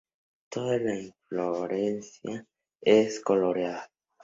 Toda la inflorescencia es coloreada.